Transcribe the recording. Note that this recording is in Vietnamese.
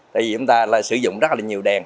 tại vì chúng ta sử dụng rất là nhiều đèn